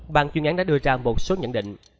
bàn chuyên án đã đưa ra một số nhận định